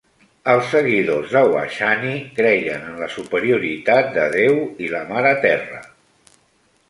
Els seguidors de Washani creien en la superioritat de Deu i la Mare Terra.